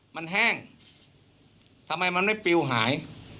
มันแห้งทำไมมันไม่ปลิวหาย